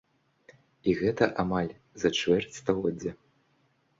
І гэта амаль за чвэрць стагоддзя!